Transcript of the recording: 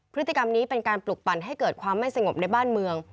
พฤติกรรมนี้เป็นการปลุกปั่นให้เกิดความไม่สงบในบ้านเมือง